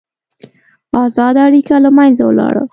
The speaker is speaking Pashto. ازاده اړیکه له منځه ولاړه.